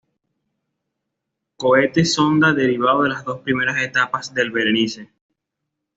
Cohete sonda derivado de las dos primeras etapas del Berenice.